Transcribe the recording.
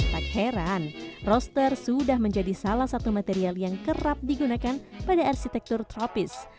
tak heran roster sudah menjadi salah satu material yang kerap digunakan pada arsitektur tropis